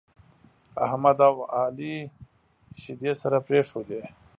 احمد او عالي شيدې سره پرېښودې.